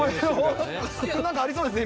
何かありそうですね。